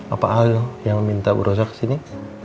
apa al yang meminta bu rosa kesini